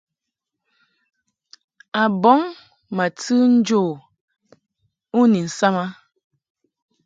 A bɔŋ ma tɨ njo u ni nsam a.